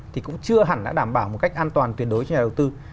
thì cũng chưa hẳn đã đảm bảo một cách an toàn tuyệt đối cho nhà đầu tư